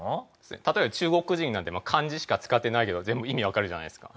例えば中国人なんて漢字しか使ってないけど全部意味わかるじゃないですか。